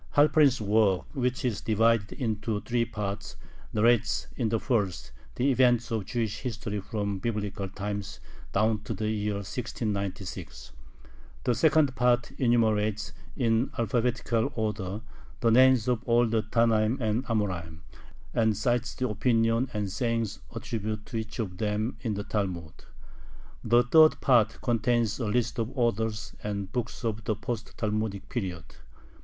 Halperin's work, which is divided into three parts, narrates in the first the events of Jewish history from Biblical times down to the year 1696. The second part enumerates, in alphabetical order, the names of all the Tannaim and Amoraim, and cites the opinions and sayings attributed to each of them in the Talmud. The third part contains a list of authors and books of the post Talmudic period.